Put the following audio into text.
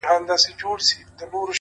• د پردي زوی څخه خپله لور ښه ده ,